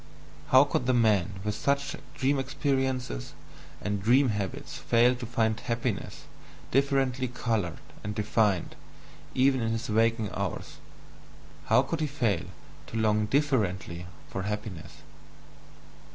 how could the man with such dream experiences and dream habits fail to find "happiness" differently coloured and defined, even in his waking hours! How could he fail to long DIFFERENTLY for happiness?